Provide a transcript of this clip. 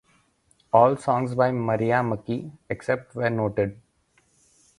All songs by Maria McKee, except where noted.